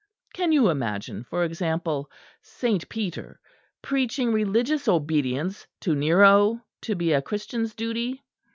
Can you imagine, for example, Saint Peter preaching religious obedience to Nero to be a Christian's duty?